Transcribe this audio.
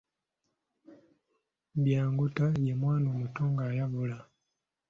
Byangota ye mwana omuto ng’ayavula.